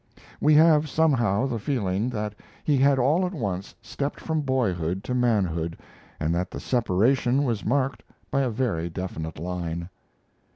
We have somehow the feeling that he had all at once stepped from boyhood to manhood, and that the separation was marked by a very definite line.